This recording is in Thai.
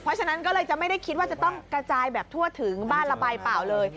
เพราะฉะนั้นก็เลยจะไม่ได้คิดว่าจะต้องกระจายแบบทั่วถึงบ้านระบายเปล่าเลย